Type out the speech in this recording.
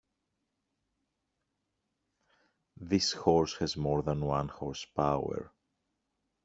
This horse has more than one horse power.